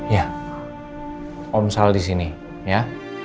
ya om saal disini ya